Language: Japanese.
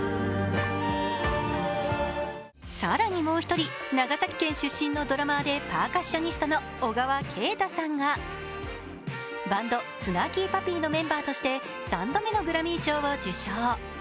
更にもう１人、長崎県出身のドラマーでパーカッショニストの小川慶太さんがバンド、スナーキー・パピーのメンバーとして３度目のグラミー賞を受賞。